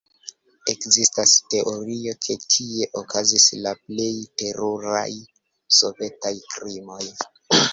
Ekzistas teorio, ke tie okazis la plej teruraj sovetaj krimoj.